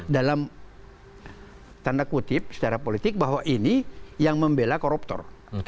dalam tanda kutip secara politik bahwa ini yang membela koruptor